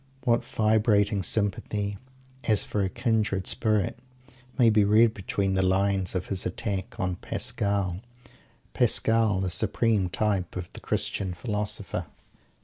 What vibrating sympathy as for a kindred spirit may be read between the lines of his attack on Pascal Pascal, the supreme type of the Christian Philosopher!